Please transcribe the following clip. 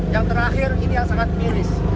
yang terakhir ini yang sangat miris